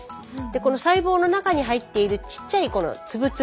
この細胞の中に入っているちっちゃいこの粒々。